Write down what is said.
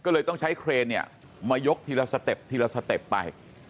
เลยต้องใช้เครนยกทีละสเต็ปไป